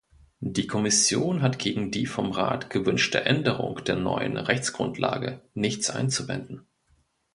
Die Kommission hat gegen die vom Rat gewünschte Änderung der neuen Rechtsgrundlage nichts einzuwenden.